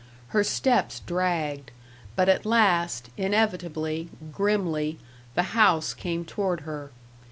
Her steps dragged, but at last, inevitably, grimly, the house came toward her.